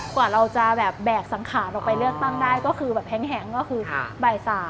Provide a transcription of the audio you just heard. กว่าเราจะแบบแบกสังขารออกไปเลือกตั้งได้ก็คือแบบแหงก็คือบ่าย๓